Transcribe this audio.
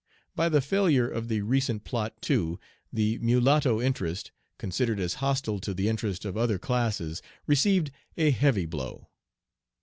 By the failure of the recent plot, too, the mulatto interest, considered as hostile to the interest of other classes, received a heavy blow.